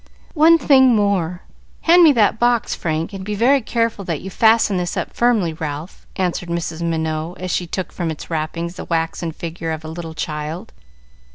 "One thing more. Hand me that box, Frank, and be very careful that you fasten this up firmly, Ralph," answered Mrs. Minot, as she took from its wrappings the waxen figure of a little child.